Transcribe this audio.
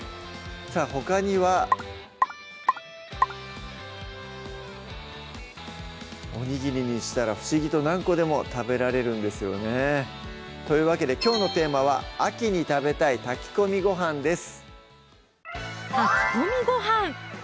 さぁほかにはおにぎりにしたら不思議と何個でも食べられるんですよねというわけできょうのテーマは「秋に食べたい！炊き込みご飯」です